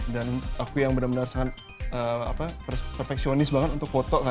dan aku yang benar benar sangat perpeksionis untuk foto